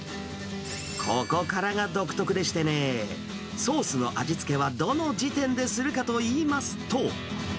ここからが独特でしてね、ソースの味付けはどの時点でするかといいますと。